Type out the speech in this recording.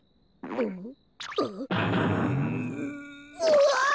うわ！